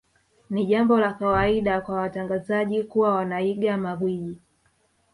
Ni jambo la kawaida kwa watangazaji kuwa wanaiga magwiji